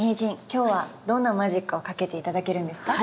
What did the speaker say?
今日はどんなマジックをかけて頂けるんですか？